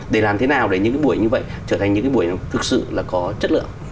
để làm thế nào để những buổi như vậy trở thành những cái buổi thực sự là có chất lượng